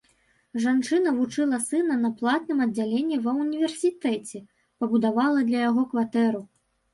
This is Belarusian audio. Жанчына вучыла сына на платным аддзяленні ва ўніверсітэце, пабудавала для яго кватэру.